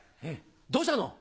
どうしたの？